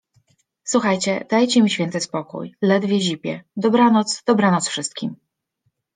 - Słuchajcie, dajcie mi święty spokój. Ledwie zipię. Dobranoc, dobranoc wszystkim.